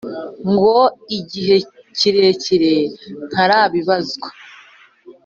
ngo igihe kirenge ntarabibazwa